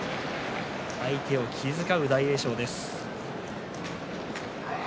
相手を気遣う大栄翔です。